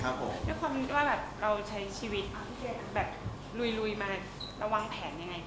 หวังกับเรามีความคิดว่าเราใช้ชีวิตแบบลุยมาแล้ววางแผนยังไงต่อ